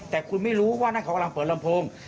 แต่คุณไม่รู้ว่านั่นเขากำลังเปิดลำโพง